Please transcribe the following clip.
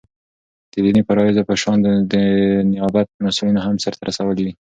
دديني فرائضو په شان دنيابت مسؤليتونه هم سرته رسوي ولي